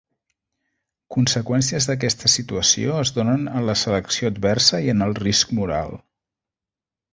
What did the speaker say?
Conseqüències d'aquesta situació es donen en la selecció adversa i en el risc moral.